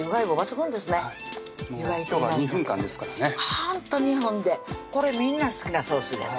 ほんと２分でこれみんな好きなソースです